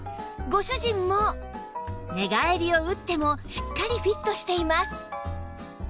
ご主人も寝返りを打ってもしっかりフィットしています